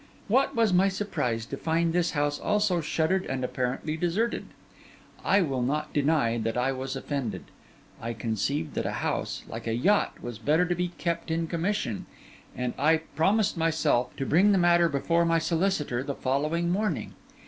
What was my surprise to find this house also shuttered and apparently deserted! I will not deny that I was offended; I conceived that a house, like a yacht, was better to be kept in commission; and I promised myself to bring the matter before my solicitor the following morning.